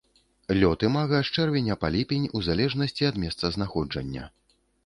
Лёт імага з чэрвеня па ліпень у залежнасці ад месцазнаходжання.